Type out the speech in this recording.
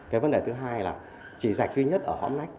cái vấn đề thứ hai là chỉ dạch duy nhất ở hõm nách